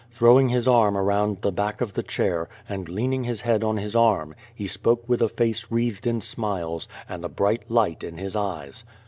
Throwing his arm around the back of the chair, and leaning his head on his arm, he spoke with a face wreathed in smiles, and a bright light in his eyes.